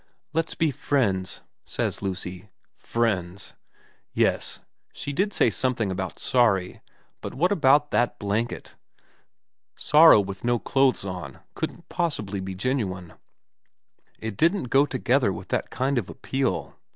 ' Let's be friends,' says Lucy. Friends ! Yes, she did say something about sorry, but what about that blanket ? Sorrow with no clothes on couldn't possibly be genuine. It didn't go together with that kind of appeal.